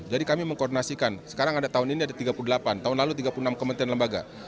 jadi kami mengkoordinasikan sekarang ada tahun ini ada tiga puluh delapan tahun lalu tiga puluh enam kementerian lembaga